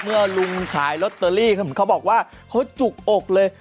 เมื่อลุงขายล็อตเตอรี่ครับเขาบอกว่าเขาจุกอกเลย